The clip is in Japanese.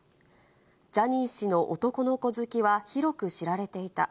ジャニー氏の男の子好きは広く知られていた。